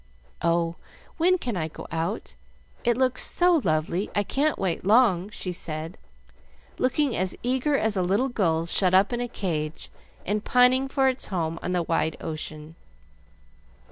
"Oh, when can I go out? It looks so lovely, I can't wait long," she said, looking as eager as a little gull shut up in a cage and pining for its home on the wide ocean.